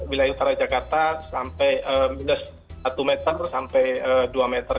wilayah utara jakarta sampai minus satu meter sampai dua meter